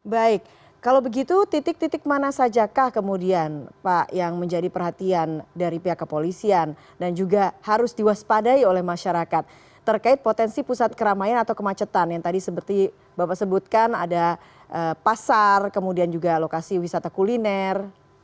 baik kalau begitu titik titik mana saja kah kemudian pak yang menjadi perhatian dari pihak kepolisian dan juga harus diwaspadai oleh masyarakat terkait potensi pusat keramaian atau kemacetan yang tadi seperti bapak sebutkan ada pasar kemudian juga lokasi wisata kuliner